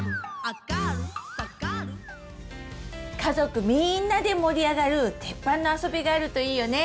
家族みんなで盛り上がるテッパンのあそびがあるといいよね！